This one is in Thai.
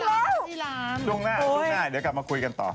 เอาละพรุ่งหน้าเดี๋ยวกลับมาคุยกันต่อ